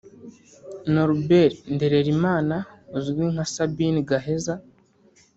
Norbert Ndererimana uzwi nka Sabin Gaheza